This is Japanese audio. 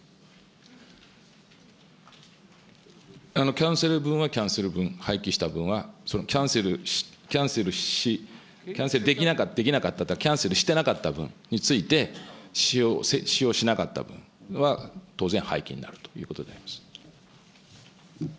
キャンセル分はキャンセル分、廃棄した分は、そのキャンセルし、キャンセルできなかった、キャンセルしてなかった分について、使用しなかった分は、当然廃棄になるということであります。